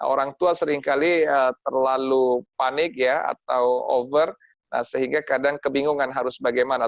orang tua seringkali terlalu panik ya atau over sehingga kadang kebingungan harus bagaimana